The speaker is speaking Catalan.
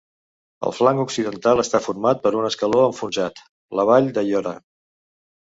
El flanc occidental està format per un escaló enfonsat, la vall d'Aiora.